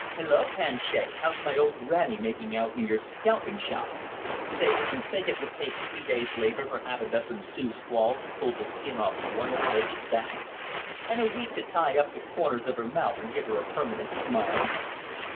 Hello, Planchet, how's my old grannie making out in your scalping shop? Say, would you think it would take three days labor for half a dozen Sioux squaws to pull the skin off one old lady's back? And a week to tie up the corners of her mouth and give her a permanent smile!